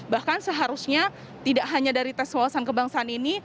bahkan seharusnya tidak hanya dari tes wawasan kebangsaan ini